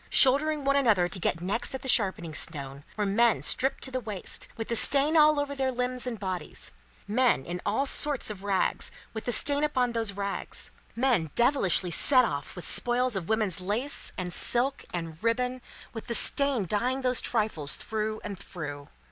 Shouldering one another to get next at the sharpening stone, were men stripped to the waist, with the stain all over their limbs and bodies; men in all sorts of rags, with the stain upon those rags; men devilishly set off with spoils of women's lace and silk and ribbon, with the stain dyeing those trifles through and through.